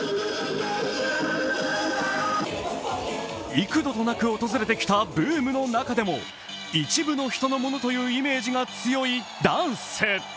幾度となく訪れてきたブームの中でも一部の人のものというイメージが強いダンス。